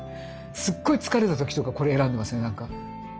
すっごい疲れた時とかこれ選んでますよなんか。